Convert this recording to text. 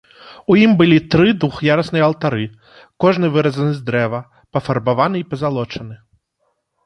У ім былі тры двух'ярусныя алтары, кожны выразаны з дрэва, пафарбаваны і пазалочаны.